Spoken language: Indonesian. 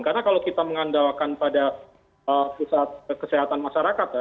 karena kalau kita mengandalkan pada pusat kesehatan masyarakat ya